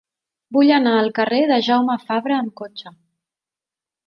Vull anar al carrer de Jaume Fabra amb cotxe.